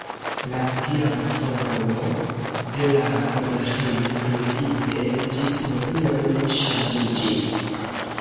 La tiama formo de la monaĥejo principe ĝis hodiaŭ ne ŝanĝiĝis.